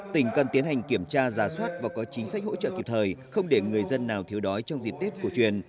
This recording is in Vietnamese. tỉnh cần tiến hành kiểm tra giả soát và có chính sách hỗ trợ kịp thời không để người dân nào thiếu đói trong dịp tết cổ truyền